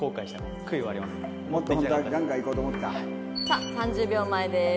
さあ３０秒前です。